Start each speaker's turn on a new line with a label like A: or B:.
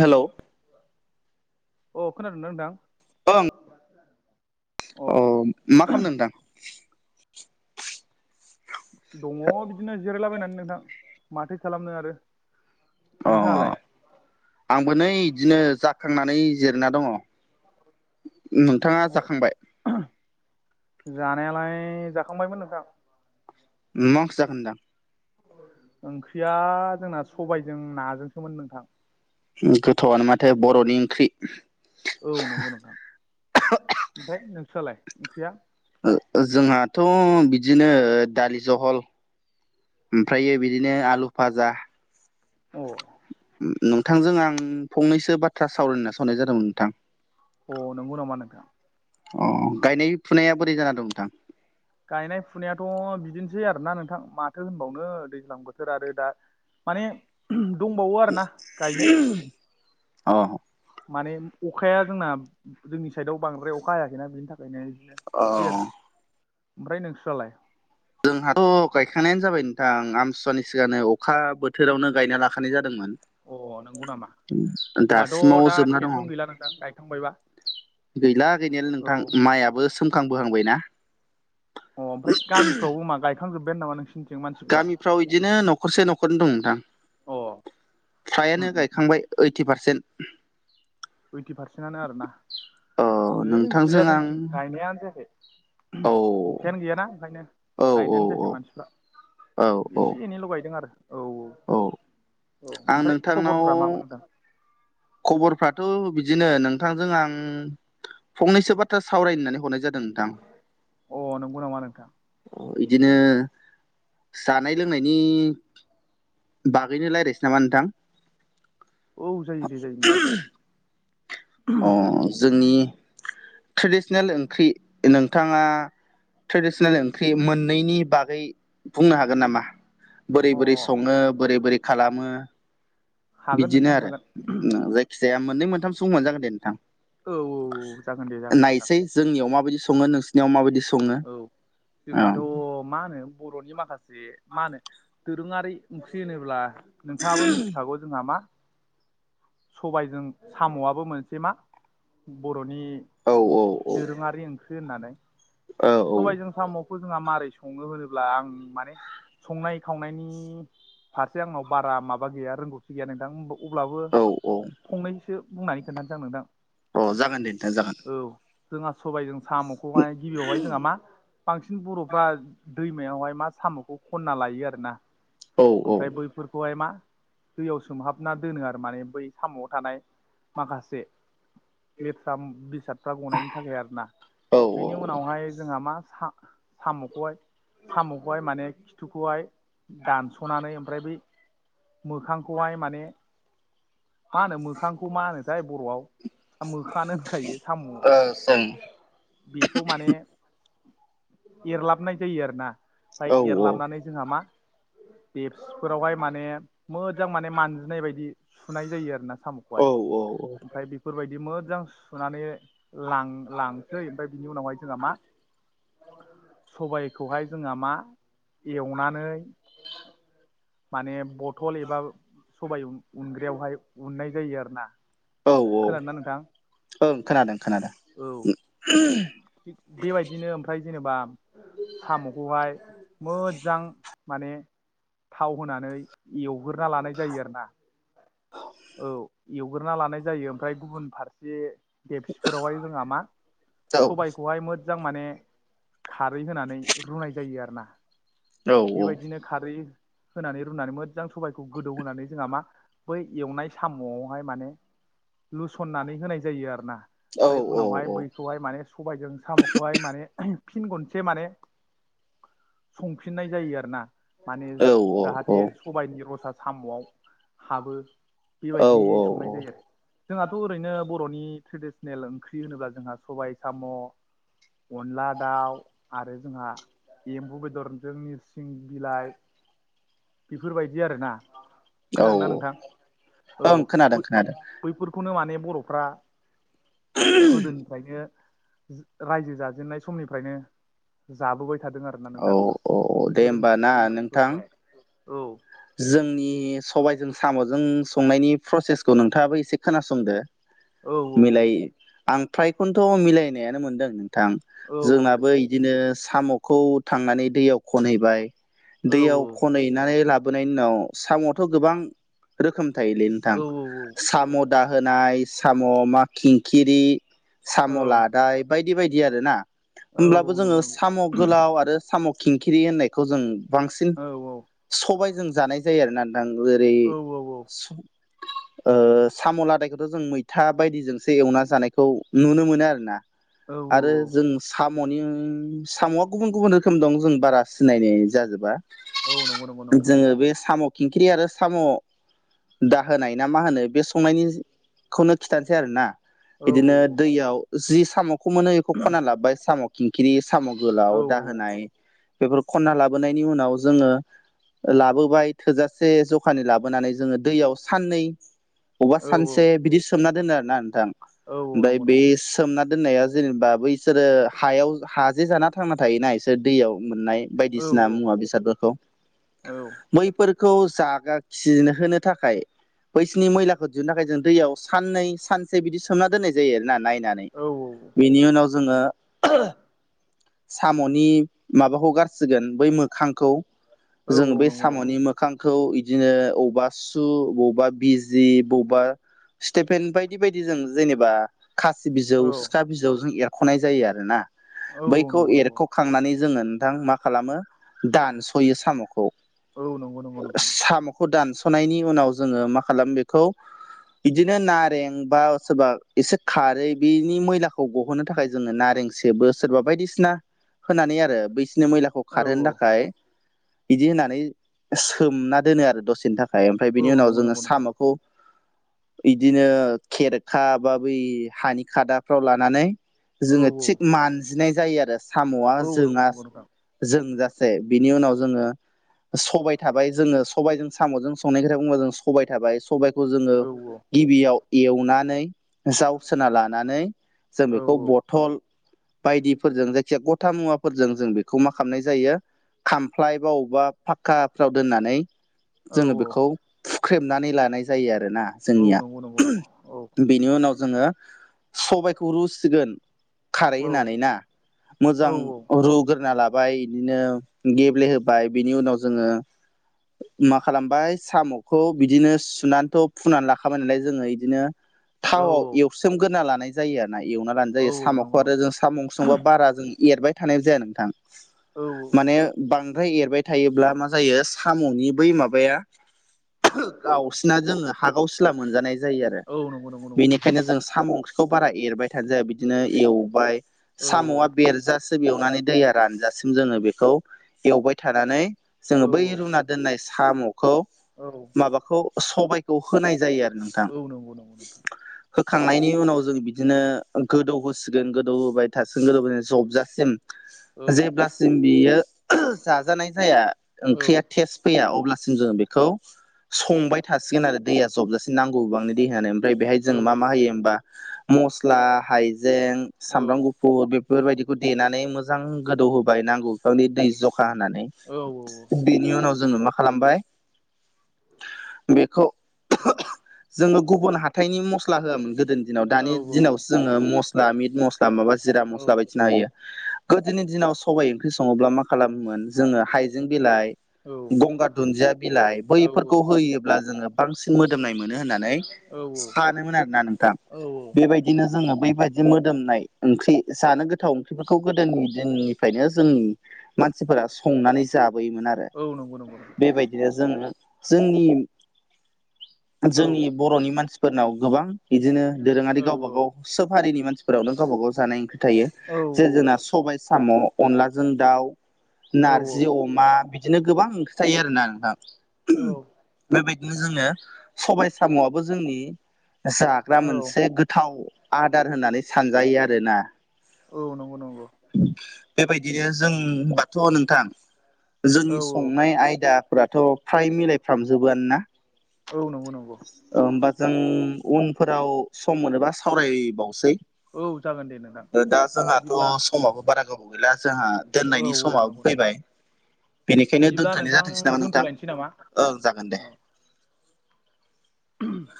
A: Hello
B: अ खोनादोंना नोंथां?
A: ओं अ मा खालामदों नोंथां?
B: दङ बिदिनो जिरायलाबायनानै नोंथां माथो खालामनो आरो
A: अ
B: नोंथाङालाय
A: आंबो नै इदिनो जाखांनानै जिरायना दङ नोंथाङा जाखांबाय
B: जानायालाय जाखांबायमोन नोंथां
A: माक्स जागोनदां
B: ओंख्रिया जोंना सबायजों नाजोंसोमोन नोंथां
A: गोथावानो माथो बर'नि ओंख्रि
B: औ नंगौ नोंथां ओमफाय नोंसालाय ओंख्रिया
A: ओ ओ जोंहाथ' बिदिनो ओ दालि जहल ओमफ्रायो बिदिनो आलु फाजा
B: अ
A: नोंथांजों आं फंनैसो बाथ्रा सावरायनोसो हरनाय जादोंमोन नोंथां
B: अ नंगौ नामा नोंथां
A: अ गायनाय-फुनाया बोरै जाना दं नोंथां
B: गायनाय-फुनायाथ' बिदिनोसै आरोना नोंथां माथो होनबावनो दैज्लां बोथोर आरो दा माने दंबावो आरोना गायनो
A: अ
B: माने अखाया जोंना जोंनि साइडआव बांद्राय अखा हायाखैना बिनि थाखायनो
A: औ
B: बिदिनोसै आरो ओमफ्राय नोंस्रालाय
A: जोंहाथ' गायखांनायानो जाबाय नोंथां आमसुवानि सिगांनो अखा बोथोरावनो गायना लाखानाय जादोंमोन
B: अ नंगौ नामा होनबाथ'
A: दासिमाव
B: दा
A: जोबना दङ
B: टेनसन गैला नोंथां गायखांबायबा
A: गैला गैनायालाय
B: औ
A: नोंथां माइआबो सोमखां बोहांबायना
B: अ ओमफ्राय गामिफ्रावबो मा गायखांजोबबायानो नामा नोंसिनिथिं मानसिफोरा
A: फ्राव इदिनो न'खरसे न'खरनै दं नोंथां
B: अ
A: फ्रायानो गायखांबाय ओइटि पारसेन्ट
B: ओइटि पारसेन्टनानो आरोना
A: अ
B: है
A: नोंथांजों
B: गैया
A: आं
B: जोंथिं गायनायानो जायाखै
A: औ
B: अखायानो गैयाना ओंखायनो
A: औ
B: गायनानो
A: औ
B: जायाखै मानसिफ्रा
A: औ औ
B: एसे एनैल' गायदों आरो औ औ औ
A: आं
B: ओमफ्राय
A: नोंथांनाव
B: खबरफ्रा मामोन नोंथां
A: खबरफ्राथ' बिदिनो नोंथांजों आं फंनैसो बाथ्रा सावरायनानै हरनाय जादों नोंथां
B: अ नंगौ नामा नोंथां
A: इदिनो जानाय लोंनायनि बागैनो रायलायसै नामा नोंथां
B: औ जायो दे जायो नोंथां
A: अ जोंनि ट्रेडिसनेल ओंख्रि नोंथाङा ट्रेडिसनेल ओंख्रि मोननैनि बागै बुंनो हागोन नामा बोरै
B: अ
A: बोरै संङो बोरै बोरै खालामो
B: हागोन
A: बिदिनो
B: नोंथां
A: आरो
B: हागोन
A: जायखि जाया मोननै मोनथामसो मोनजागोन दे नोंथां
B: औ औ जागोन दे जागोन नोंथां
A: नायसै जोंनियाव माबायदि सङो नोंसोर नियाव माबायदि सङो
B: औ जोंहाथ' मा होनो बर'नि माखासे माखासे मा होनो दोरोङारि ओंख्रि होनोब्ला नोंथाङाबो मिथिखागौ जोंहा मा सबायजों साम'आबो मोनसे मा बर'नि
A: औ अ
B: दोरोङारि ओंख्रि होननानै
A: औ
B: सबायजों साम'खौ जोंहा मारै सङो होनोब्ला आं माने संनाय खावनायनि फारसे आंनाव बारा माबा गैया रोंगौथि गैया नोंथां अब्लाबो
A: औ औ
B: फंनैसो बुंनानै खोन्थानोसै आं नोंदां
A: अ जागोन दे नोंथां जागोन
B: जोंहा सबायाइजों साम'खौहाय गिबियावहाय जोंहा मा बांसिन बर'फ्रा दैमायावहाय मा साम'खौ खनना लायो आरोना
A: औ औ
B: ओमफ्राय बैफोरखौहाय मा दैयाव सोमहाबना दोनो आरो माने बै साम'आव थानाय माखासे लेथ्रा बेसाद फ्रा गनायनि थाखाय आरोना
A: औ ओ
B: बिनि उनावहाय जोंहा मा साम'खौहाय साम'खौहाय माने खिथुखौहाय दानस'नानै ओमफ्राय बै मोखांखौहाय माने मा होनो मोखांखौ मा होनोथाय बर'आव मोखङानो होनखायो साम'
A: ओ जों
B: बेखौ माने एरलाबनाय जायो आरोना
A: औ
B: ओमफ्राय एरलाबनानै जोंहा मा देप्सफोरावहाय माने मोजां माने मानजिनाय बायदि सुनाय जायो आरोना साम'खौ
A: औ
B: ओमफ्राय फोरबायदि मोजां सुनानै लां लांसै ओमफ्राय बिनि उनावहाय जोंहा मा सबायखौहाय जोंहा मा एवनानै माने बथल एबा सबाय उनग्रायावहाय उननाय जायो आरोना
A: औ औ
B: खोनादों ना नोंथां
A: ओं खोनादों खोनादों
B: औ थि बेबायदि बिदिनो ओमफ्राय जेनेबा साम'खौहाय मोजां माने थाव होनानै एवग्रोना लानाय जायो आरो ना औ एवग्रोना लानाय जायो ओमफ्राय गुबुन फारसे देबसिफोरावहाय जोंहा मा
A: औ
B: सबायखौहाय मोजां माने खारै होनानै रुनाय जायो आरोना
A: औ
B: बेबायदिनो खारै होनानै रुनानै मोजां सबबायखौ गोदौ होनानै जोंहा मा बै एवनाय साम'आवहाय माने लुसननानै होनाय जायो आरोना
A: औ
B: ओमफ्राय
A: औ
B: उनावहाय बैखौहाय माने सबायजों साम'खौहाय माने फिन गनसे माने संफिननाय जायो आरो ना माने
A: औ
B: जाहाथे सबायाइनि रसा साम'आव हाबो
A: औ
B: बेबायदि संनाय जायो आरो जोंहाथ' ओरैनो बर'नि ट्रेडिसन ट्रेडिसन ओंख्रि होनोब्ला जोंहा सबाय साम' अनला दाउ आरो जोंहा एम्बु बेदरजों नोरस सिं बिलाइ बेफोरबायदि आरोना
A: औ
B: खोनादों ना
A: औ
B: नोंथां औ
A: ओं खोनादों खोनादों
B: बैफोरखौनो माने बर'फ्रा गोदोनिफ्रायनो रायजो जाजेननाय समनिफ्रायनो जाबोबाय थादों आरो ना
A: औ
B: नोंदां
A: औ दे
B: बैफोर
A: होमबा ना नोंथां
B: ओंख्रिफोरखौहाय औ
A: जोंनि सबायजों साम'जों संनायनि प्रसेसखौ नोंथाङाबो एसे खोनासंदो।
B: औ औ
A: मिलाय आं फ्रायखौनथ' मिलायनायानो मोनदों नोंथां।
B: औ औ दे
A: जोंहाबो इदिनो साम'खौ थांनानै दैयाव खनहैबाय
B: औ
A: दैयाव खनहैनानै लाबोनायनि उनाव सामवाथ' गोबां रोखोम थायोलै नोंथां।
B: औ
A: साम' दाहोनाय साम' मा खिंखिरि
B: औ
A: साम' लादाय बायदि-बायदि आरो ना
B: औ
A: होमब्लाबो
B: औ
A: जोङो
B: नंगौ नंगौ
A: साम' गोलाव आरो साम' खिंख्रि होननायखौ जों बांसिन
B: औ
A: सबायजों जानाय जायो आरो ना नोंथां ओरै
B: औ
A: स
B: [inaudible]
A: ओ साम'लादायखौथ' जों मैथा बायदिजोंसो एवना जानायखौ नुनो मोनो आरो ना?
B: औ औ।
A: जों साम'नि साम'आ गुबुन-गुबुन रो खोम दं जों बारा सिनायनाय जाजोबा।
B: औ नोंग नोंग
A: जोङो बे साम' खिंख्रि आरो साम' दाहोनाय ना मा होनो बे संनायनिखौनो खिथानोसै आरोना
B: औ
A: इदिनो दैयाव जि साम'खौ मोनो बेखौ खनना लाबोबाय साम' खिंख्रि साम' गोलाव
B: औ
A: दाहोनाय बेफोर खन्ना लाबोनायनि उनाव जोङो लाबोबाय थोजासे जखानि लाबोनानै जोङो दैयाव साननै अबेबा
B: औ
A: सानसे बिदि सोमना दोनो आरोना नोंथां।
B: औ औ
A: ओमफ्राय
B: नंगौ
A: बे
B: नंगौ
A: स सोमना दोननाया जेनेबा बैसोरो हायाव हाजे जाना थांना थायोना बिसोर दैयाव मोननाय
B: औ औ
A: बायदिसिना
B: औ
A: मुवा बेसादफोरखौ
B: औ।
A: मैफोरखौ जागा खिहोनो थाखाय बैसोरनि मैलाखौ दिहुननो थाखाय जों दैयाव साननै सानसे बिदि सोमना दोननाय जायो आरो ना नायनानै।
B: औ।
A: बेनि उनाव जोङो साम'नि माबाखौ गारसिगोन बै मोखांखौ।
B: औ औ
A: जों बे
B: नंगौ नंगौ
A: साम'नि मोख खांखौ इदिनो अबावबा सु बबावबा बिजि बबावबा स्टेफेन बायदि-बायदि जों जेनेबा खासि बिजौ
B: औ
A: सिखा बिजौजों एरख'नाय जायो आरोना।
B: औ
A: बैखौ
B: नंगौ
A: एरख' खांनानै जोङो नोंथां मा खालामो दानस'यो साम'ख
B: औ नोंगौ नोंगौ नोंथां।
A: साम'खौ दानस'नायनि उनाव जोङो मा खालामो बेखौ इदिनो नारें बा सोरबा एसे खारै बेनि मैलाखौ गहोनो थाखाय जोङो नारें सेबो सोरबा बायदिसिना होनानै आरो बैसोरनि मैलाखौ
B: औ
A: खारहोनो थाखाय इदि होनानै सोमना दोनो आरो दसेनि था खाय ओमफ्राय
B: औ
A: बिनि उनाव
B: नंगौ
A: जोङो
B: नंगौ नोंथां
A: साम'खौ इदिनो खेरखा बा बै हानि खादाफ्राव लानानै
B: औ
A: जोङो थिग मानजिनाय जायो आरो साम'आ
B: औ नंगौ
A: जोङा
B: नंगौ नोंथां
A: जोंजासे बिनि उनाव जोङो सबाय थाबाय जोङो सबायजों साम'जों संनाय खोथा बुङोबा जों सबाय थाबाय सबायखौ जोङो
B: औ
A: गिबियाव एवनानै जावसोना लानानै जों
B: औ
A: बेखौ बथल बायदिफोरजों जायखिजाया गथा मुवाफोरजों जों बेखौ मा खालामनाय जायो खामफ्लाय बाव बा फाखकाफ्राव दोननानै
B: औ
A: जोङो बेखौ फुख्रेमनानै लानाय जायो आरोना।
B: औ
A: जोंनिया
B: नंगौ नंगौ नंगौ औ
A: बेनि उनाव जोङो सबायाइखौ रुसिगोन खारै
B: औ
A: होनानै ना
B: औ
A: मोजां रुग्रोना ला बाय इदिनो गेब्लेहोबाय बिनि उनाव जोङो मा खालामबाय साम'खौ बिदिनो सुनानैथ' फुनानै लाखाबाय नालाय जोङो इदिनो
B: औ
A: थावाव एवस्रोमग्रोना लानाय जायो आरोना एवना लानाय
B: औ
A: जायो साम'खौ
B: नंगौ
A: आरो
B: नंगौ
A: जों साम' ओंख्रि संबा बारा जों एरबाय थानाय जाया नोंथां।
B: औ
A: माने बां ओमफ्राय एरबाय थायोब्ला मा जायो साम'नि बै माबाया गावसिना जोङो हागाव सिला मोनजानाय जायो आरो
B: औ नंगौ नंगौ नंगौ
A: बेनिखायनो जों साम' ओंख्रि खौ बारा एरबाय थानो जाया बिदिनो एवबाय
B: औ
A: साम'आ बेरजासि एवनानै दैया रानजासिम जोङो बेखौ एवबाय थानानै
B: औ
A: जोङो बै रुना दोननाय साम'खौ
B: औ।
A: माबाखौ सबायखौ होनाय जायो आरो नोंथां।
B: औ नंगौ नंगौ औ औ
A: होखांनायनि उनाव जों बिदिनो गोदौ होसिगोन गोदौ होबाय थासिगोन गोदौ होबाय थासिगोन जबजासिम जेब्लासिम बियो जाजानाय जाया ओंख्रिया थेस फैया अब्लासिम जोङो बेखौ संबाय थासिगोन आरो दैया जबजासेम नांगौ गोबांनि दैयानो ओमफ्राय बेहाय जों मा मा होयो होमबा मस्ला, हाइजे, ं सामब्राम गु फुर बेफोरबायदिखौ देनानै मोजां गोदौ होबाय नांगौ बिफांनि दै जखा होनानै।
B: औ औ।
A: बेनि उनाव जोङो मा खालामबाय बेखौ जोङो गुबुन हाथायनि मस्ला होआमोन गोदोनि दिनाव दानि दिनावसो जोङो मस्ला मिट मस्ला माबा जिरा मस्ला बायदिसिना होयो। गोदोनि दिनाव सबाइ ओंख्रि सङोब्ला मा खालामोमोन जोङो हाइजें बिलाइ, गंगार दुन्दिया बिलाइ बैफोरखौ होयोब्ला जोङो बांसिन मोदोमनाय मोनो होनना नै सानोमोन आरोना नोंथां। ‌ बेबाय दिनो जोङो बैबायदि मोदोमनाय ओंख्रि जानो गोथाव ओंख्रिफोरखौ गोदोनि दिननिफ्रायनो जोंनि मानसिफोरा संनानै जाबोयोमोन आरो। बेबायदिनो जोङो जोंनि जोंनि बर'नि मानसिफोरनाव गोबां बिदिनो दोरोङारि गावबा गाव सोब हारिनि मानसिफोरावनो गावबा गाव जानाय ओंख्रि थायो। जे जोंना सबाइ साम', अनलाजों दाउ, नार्जि अमा बिदिनो गोबां ओंख्रि थायो आरोना
B: औ
A: नोंथां। बेबायदिनो जोङो सबाय साम'आबो जोंनि जाग्रा
B: औ औ
A: मोनसे गोथाव आदार होननानै सानजायो आरोना।
B: औ नंगौ नंगौ।
A: बेबायदिनो जों बाथ' नोंथां
B: औ
A: जोंनि
B: औ
A: सं नाय आयदाफोराथ' फ्राय मिलायफ्रामजोबोआनोना?
B: औ नंगौ नंगौ।
A: ओ होमबा जों उनफोराव सम मोनोबा सावरायबावसै।
B: औ जागोन दे नोंथां
A: दा जोंहाथ'
B: बिदिब्ला
A: समाबो बारा गोबाव गैला जोंहा
B: औ
A: दोननायनि स
B: औ नंगौ
A: माबो
B: नंगौ
A: फैबाय। बेनिखायनो
B: बिदिब्ला
A: दोनथ'नाय
B: नोंथां
A: जाथोंसै नामा नोंथां?
B: दोनथ'लायनोसै नामा
A: ओं जागोन दे।
B: औ [inaudible]